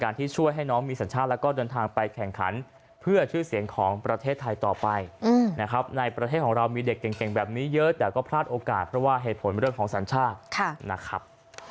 เรื่องของสัญชาตินะครับ